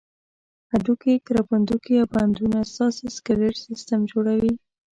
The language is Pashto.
هډوکي، کرپندوکي او بندونه ستاسې سکلېټ سیستم جوړوي.